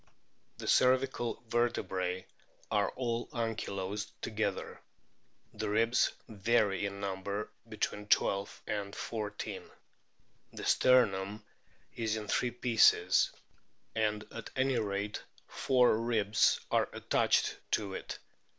The cervical vertebrae are all ankylosed together. The ribs vary in number, between 12 and 14. The sternum is in three pieces, and at any rate four ribs are attached to it.